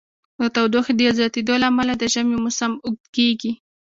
د تودوخې د زیاتیدو له امله د ژمی موسم اوږد کیږي.